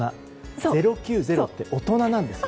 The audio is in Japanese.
０９０って大人なんです。